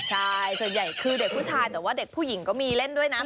ใช่ส่วนใหญ่คือเด็กผู้ชายแต่ว่าเด็กผู้หญิงก็มีเล่นด้วยนะ